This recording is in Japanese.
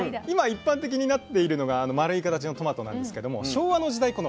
今一般的になっているのが丸い形のトマトなんですけども昭和の時代